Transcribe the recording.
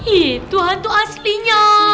itu hantu aslinya